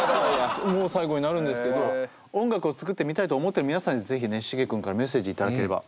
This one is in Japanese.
もう最後になるんですけど音楽を作ってみたいと思ってる皆さんに是非ねシゲ君からメッセージ頂ければ。